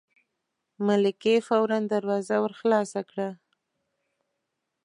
ملکې فوراً دروازه ور خلاصه کړه.